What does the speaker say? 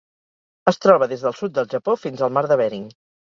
Es troba des del sud del Japó fins al mar de Bering.